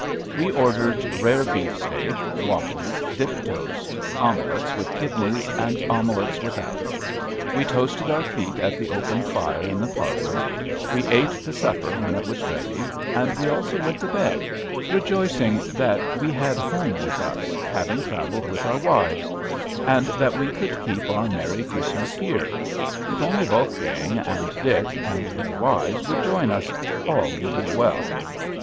We ordered rare beef steak, waffles, dip toast, omelettes with kidneys, and omelettes without; we toasted our feet at the open fire in the parlor; we ate the supper when it was ready; and we also went to bed; rejoicing that we had home with us, having travelled with our wives; and that we could keep our merry Christmas here. If only Wolfgang and Dick and their wives would join us, all would be well.